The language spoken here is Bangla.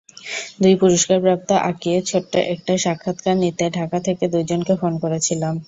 দুই পুরস্কারপ্রাপ্ত আঁকিয়ের ছোট্ট একটা সাক্ষাৎকার নিতে ঢাকা থেকে দুজনকে ফোন করেছিলাম।